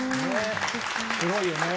すごいよね。